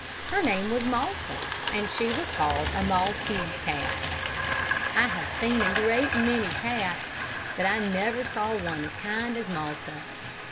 Her name was Malta, and she was called a maltese cat. I have seen a great many cats, but I never saw one as kind as Malta.